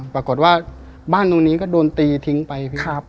ปรากฏว่าบ้านตรงนี้โดนตีทิ้งไป